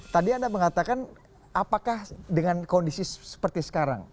tadi anda mengatakan apakah dengan kondisi seperti sekarang